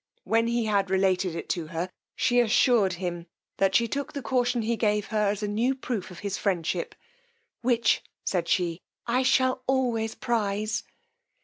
When he had related it to her, she assured him that she took the caution he gave her as a new proof of his friendship, which, said she, I shall always prize.